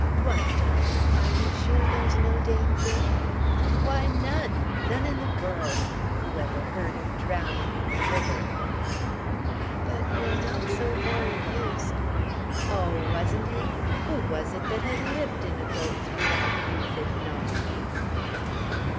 "Dwight darling, are you sure there's no danger?" Why, none. None in the world. Whoever heard of drowning in a river. "But you're not so very used " Oh, wasn't he? Who was it that had lived in a boat throughout youth if not he?